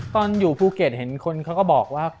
ตอนอยู่ภูเก็ตเห็นคนเขาก็บอกว่า